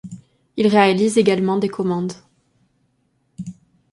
Il réalise également des commandes.